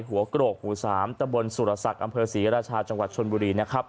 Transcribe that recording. หัวกโกกหูสามตะบลสุรษัตริย์อำเภอศรีราชาจังหวัดชนบุรี